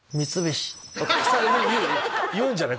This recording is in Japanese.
言うんじゃない？